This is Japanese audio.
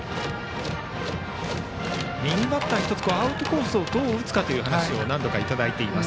右バッターはアウトコースをどう打つかというお話を何度かいただいています。